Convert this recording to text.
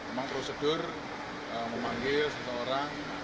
memang prosedur memanggil seseorang